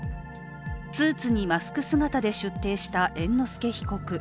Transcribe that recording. スーツにマスク姿で出廷した猿之助被告。